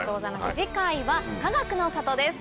次回はかがくの里です。